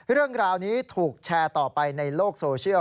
เรื่องราวนี้ถูกแชร์ต่อไปในโลกโซเชียล